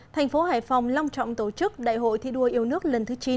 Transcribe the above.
thành phố hải phòng long trọng tổ chức đại hội thi đua yêu nước lần thứ chín